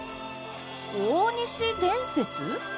「大西伝説」？